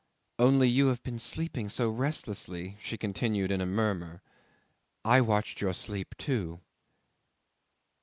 "Only you have been sleeping so restlessly," she continued in a murmur; "I watched your sleep, too."